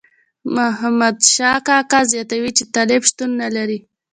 محمد شاه کاکا زیاتوي چې طالب شتون نه لري.